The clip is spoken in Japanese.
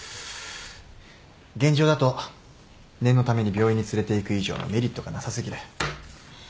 現状だと念のために病院に連れていく以上のメリットがなさ過ぎる。